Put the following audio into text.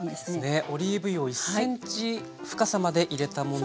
オリーブ油を１ｃｍ深さまで入れたものですね。